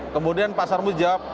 kemudian pasar mu jawab